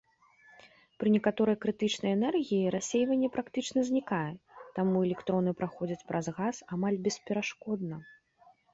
Пры некаторай крытычнай энергіі рассейванне практычна знікае, таму электроны праходзяць праз газ амаль бесперашкодна.